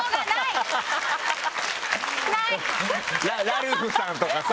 ラルフさんとかさ。